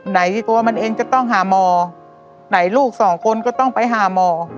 ตัวมันเองจะต้องหาหมอไหนลูกสองคนก็ต้องไปหาหมอ